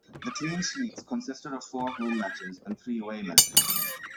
The clean sheets consisted of four home matches and three away matches.